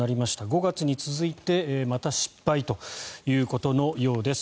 ５月に続いてまた失敗ということのようです。